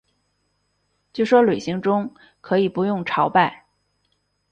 就说旅行中可以不用朝拜